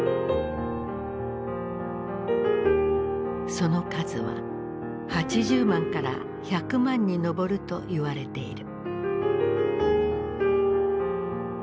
その数は８０万から１００万に上るといわれている。